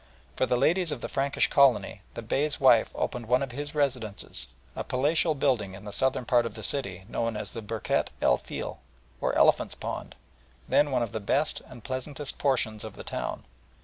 For the ladies of the Frankish colony the Bey's wife opened one of his residences, a palatial building in the southern part of the city known as the Birket el Feel, or Elephant's Pond, then one of the best and pleasantest portions of the town.